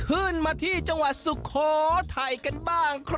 ขึ้นมาที่จังหวัดศุโคไทยกันบ้าง